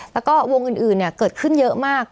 แล้วก็วงอื่นเกิดขึ้นเยอะมาก